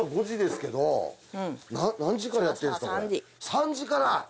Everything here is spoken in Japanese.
３時から！？